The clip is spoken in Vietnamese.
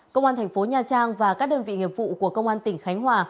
công an tp nha trang và các đơn vị nghiệp vụ của công an tỉnh khánh hòa